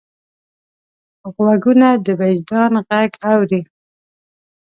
غوږونه د وجدان غږ اوري